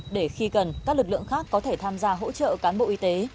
để khi cần các lực lượng khác có thể tham gia hỗ trợ cán bộ y tế